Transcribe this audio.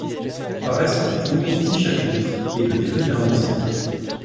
Paraissent en tout dix chapitres et le début d'un onzième.